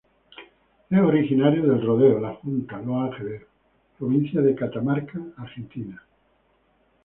Es originario de El Rodeo, Las Juntas, Los Ángeles, provincia de Catamarca, Argentina.